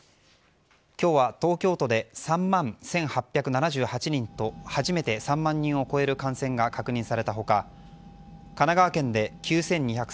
今日は東京都で３万１８７８人と初めて３万人を超える感染が確認されたほか神奈川県で９２３０人